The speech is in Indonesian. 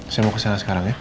saya mau kesana sekarang ya